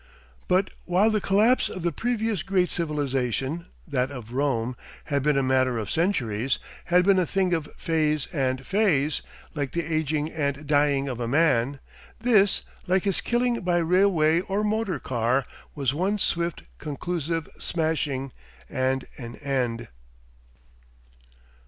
But while the collapse of the previous great civilisation, that of Rome, had been a matter of centuries, had been a thing of phase and phase, like the ageing and dying of a man, this, like his killing by railway or motor car, was one swift, conclusive smashing and an end.